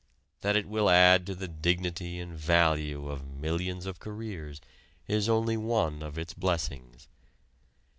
That it will add to the dignity and value of millions of careers is only one of its blessings.